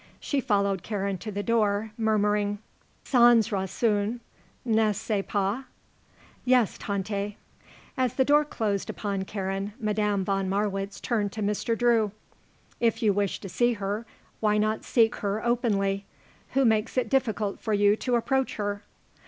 She followed Karen to the door, murmuring: "Sans rancune, n'est ce pas?" "Yes, Tante." As the door closed upon Karen, Madame von Marwitz turned to Mr. Drew. "If you wish to see her, why not seek her openly? Who makes it difficult for you to approach her?"